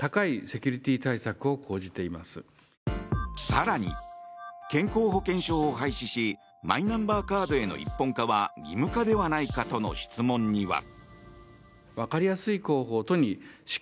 更に健康保険証を廃止しマイナンバーカードへの一本化は義務化ではないかとの質問には。